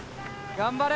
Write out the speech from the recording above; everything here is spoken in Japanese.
頑張れ。